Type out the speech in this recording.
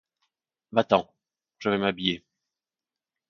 Va-t'en, je vais m'habiller.